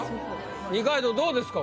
二階堂どうですか？